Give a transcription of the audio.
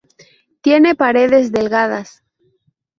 Tiene paredes delgadas.